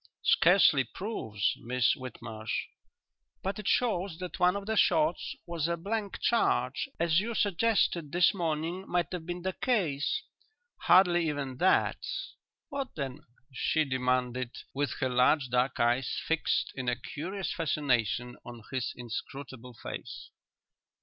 "Scarcely 'proves,' Miss Whitmarsh." "But it shows that one of the shots was a blank charge, as you suggested this morning might have been the case." "Hardly even that." "What then?" she demanded, with her large dark eyes fixed in a curious fascination on his inscrutable face.